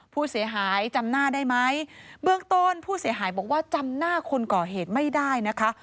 ผู้เสียหายจำหน้าได้ไหมเบื้องต้นผู้เสียหายบอกว่าจำหน้าคนก่อเหตุไม่ได้นะคะ